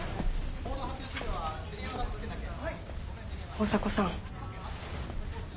大迫さん